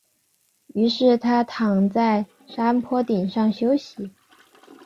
于是他躺在山坡顶上休息。